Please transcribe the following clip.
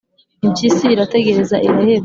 impyisi irategereza iraheba